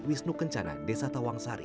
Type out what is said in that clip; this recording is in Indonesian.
wisnu kencana desa tawangsari